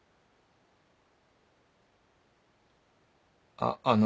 あっあの。